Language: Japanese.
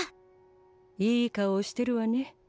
いい顔してるわね。